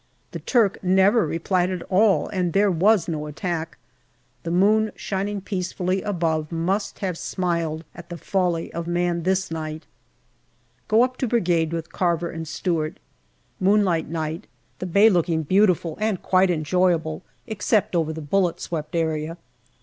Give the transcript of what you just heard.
The Turk never replied at all, and there was no attack ; the moon shining peace fully above must have smiled at the folly of man this night ! Go up to Brigade with Carver and Stewart. Moonlight night, the bay looking beautiful and quite enjoyable, except over the bullet swept area.